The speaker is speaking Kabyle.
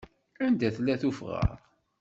Anda tella tuffɣa?